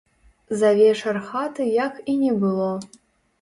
За вечар хаты як і не было.